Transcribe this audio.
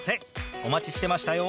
お待ちしてましたよ。